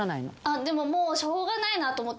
でももうしょうがないなと思って。